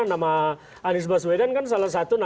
nama anies baswedan kan salah satu